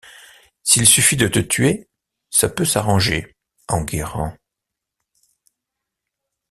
S’il suffit de te tuer, ça peut s’arranger, Enguerrand...